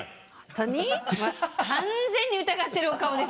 完全に疑ってるお顔ですよ。